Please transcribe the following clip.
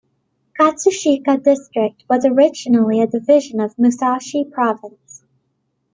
Katsushika District was originally a division of Musashi Province.